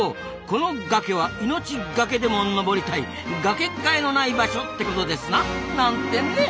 この崖は命「がけ」でも登りたいガケがえのない場所ってことですな。なんてね。